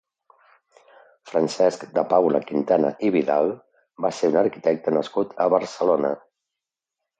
Francesc de Paula Quintana i Vidal va ser un arquitecte nascut a Barcelona.